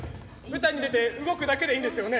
舞台に出て動くだけでいいんですよね？